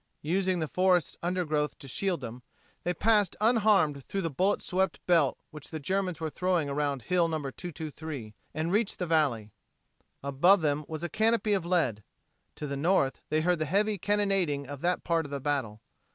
Using the forest's undergrowth to shield them, they passed unharmed through the bullet swept belt which the Germans were throwing around Hill No. 223, and reached the valley. Above them was a canopy of lead. To the north they heard the heavy cannonading of that part of the battle.